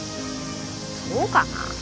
そうかな？